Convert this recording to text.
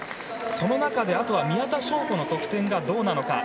その中で、あとは宮田笙子の得点がどうなのか。